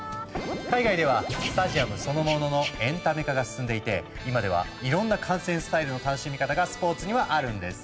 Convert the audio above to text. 海外ではスタジアムそのもののエンタメ化が進んでいて今ではいろんな観戦スタイルの楽しみ方がスポーツにはあるんです。